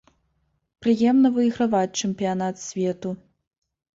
Прыемна выйграваць чэмпіянат свету.